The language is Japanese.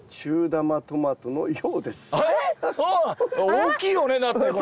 大きいよねだってこれ。